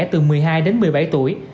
từ một mươi hai đến một mươi bảy tuổi